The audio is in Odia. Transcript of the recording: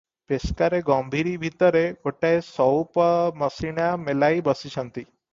ପେସ୍କାରେ ଗମ୍ଭୀରି ଭିତରେ ଗୋଟାଏ ସଉପମସିଣା ମେଲାଇ ବସିଛନ୍ତି ।